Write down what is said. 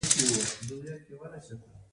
مصنوعي ځیرکتیا د ټولنیز مسؤلیت احساس زیاتوي.